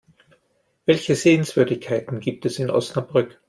Welche Sehenswürdigkeiten gibt es in Osnabrück?